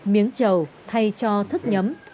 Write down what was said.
miếng trà thay cho thức nhấm